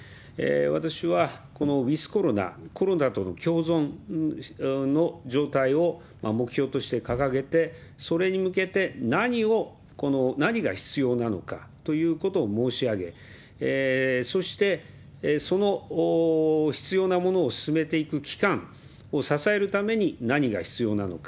私はこのウィズコロナ、コロナとの共存の状態を目標として掲げて、えそれに向けて何を、何が必要なのかということを申し上げ、そしてその必要なものを進めていく期間を支えるために、何が必要なのか。